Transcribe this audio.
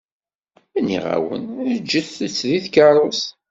Nniɣ-awen ǧǧet-tt deg tkeṛṛust.